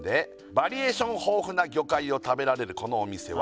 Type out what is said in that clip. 「バリエーション豊富な魚介を食べられるこのお店は」